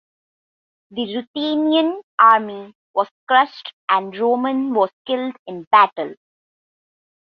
The Ruthenian army was crushed and Roman was killed in battle.